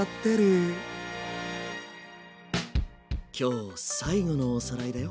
今日最後のおさらいだよ。